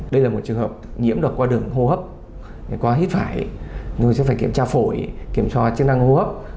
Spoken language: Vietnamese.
đây là một trường hợp nhiễm được qua đường hô hấp qua hít phải người sẽ phải kiểm tra phổi kiểm tra chức năng hô hấp